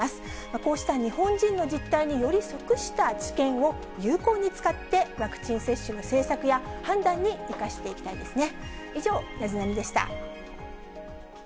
こうした日本人の実態により即した知見を有効に使って、ワクチン接種の政策や判断に生かしていきたいですね。